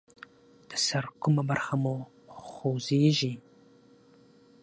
د سر کومه برخه مو خوږیږي؟